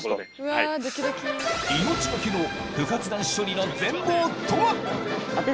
命懸けの不発弾処理の全貌とは？